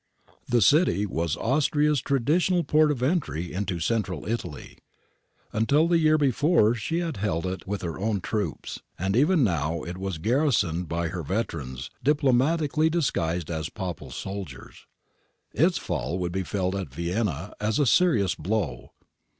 The city was Austria's traditional port of entry into Central Italy : until the year before she had held it with her own troops, and even now it was garrisoned by her veterans, diplomatically dis guised as Papal soldiers. Its fall would be felt at Vienna as a serious blow.